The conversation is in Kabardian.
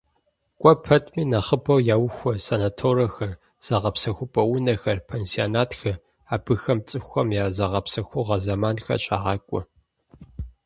КӀуэ пэтми нэхъыбэу яухуэ санаторэхэр, зыгъэпсэхупӀэ унэхэр, пансионатхэр, абыхэм цӀыхухэм я зыгъэпсэхугъуэ зэманхэр щагъакӀуэ.